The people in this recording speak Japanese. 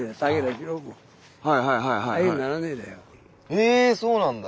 えそうなんだ。